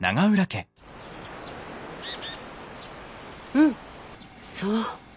うんそう。